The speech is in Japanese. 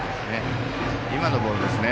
今のボールですね。